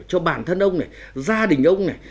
cho bản thân ông này gia đình ông này